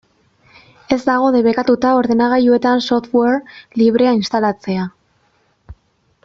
Ez dago debekatua ordenagailuetan software librea instalatzea.